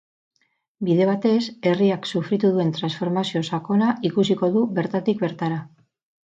Bide batez, herriak sufritu duen transformazio sakona ikusiko du bertatik bertara.